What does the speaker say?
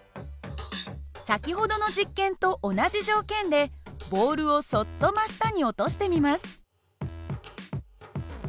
先ほどの実験と同じ条件でボールをそっと真下に落としてみます。